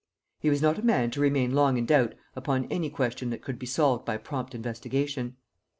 He was not a man to remain long in doubt upon any question that could be solved by prompt investigation.